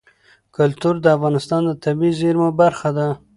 کلتور د افغانستان د طبیعي زیرمو برخه ده.